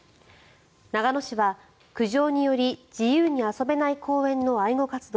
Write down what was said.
長野市は苦情により自由に遊べない公園の愛護活動